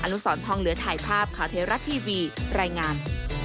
นุสรทองเหลือถ่ายภาพข่าวเทราะทีวีรายงาน